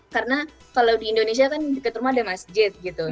karena kalau di indonesia kan di keturma ada masjid gitu